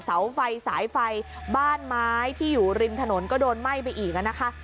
เสาไฟสายไฟบ้านไม้ที่อยู่ริมถนนก็โดนไหม้ไปอีกนะคะ